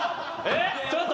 えっ？